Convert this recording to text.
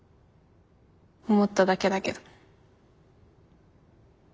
思っただけだけど。